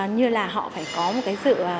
như là họ phải có một cái sự tham gia